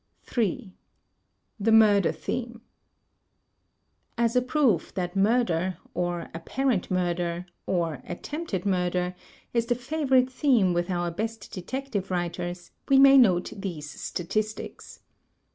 J. The Murder Theme As a proof that murder, or apparent murder, or attempted murder, is the favorite theme with our best detective writers, we may note these statistics.